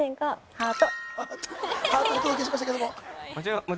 ハートをお届けしましたけども。